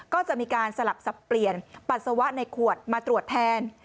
ก็จะมีการสลับสับเปลี่ยนปัสสาวะในขวดมาตรวจแทน